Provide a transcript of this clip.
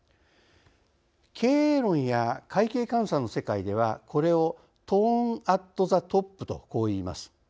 経営論や会計監査の世界ではこれをトーン・アット・ザ・トップとこう言います。